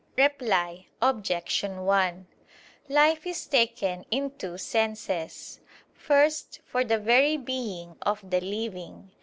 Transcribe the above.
Reply Obj. 1: Life is taken in two senses. First for the very being of the living.